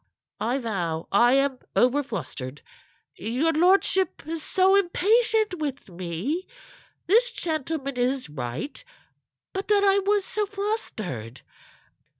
"I vow I am over flustered. Your lordship is so impatient with me. This gentleman is right. But that I was so flustered.